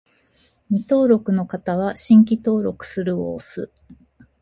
未登録の方は、「新規登録する」を押す